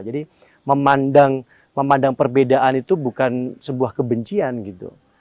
jadi memandang perbedaan itu bukan sebuah kebencian gitu